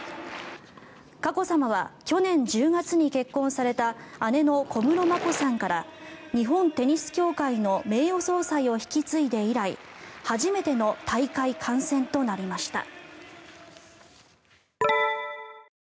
佳子さまは去年１０月に結婚された姉の小室眞子さんから日本テニス協会の名誉総裁を引き継いで以来初めての大会観戦となりました。